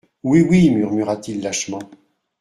Oui, oui, murmura-t-il lâchement.